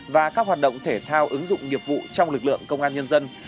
và các hoạt động thể thao ứng dụng nghiệp vụ trong lực lượng công an nhân dân